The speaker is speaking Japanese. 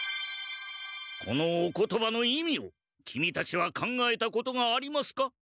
このお言葉の意味をキミたちは考えたことがありますか？